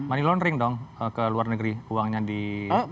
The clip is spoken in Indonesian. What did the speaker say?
money laundering dong ke luar negeri uangnya di